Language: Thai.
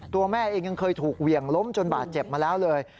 ตัวแม่เองยังเคยถูกเหวี่ยงล้มจนบาดเจ็บมาแล้วเลย